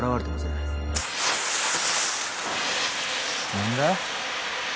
何だ？